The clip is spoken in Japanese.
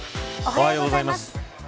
おはようございます。